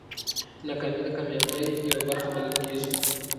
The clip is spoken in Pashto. ناکامي د کامیابۍ یوه برخه بلل کېږي.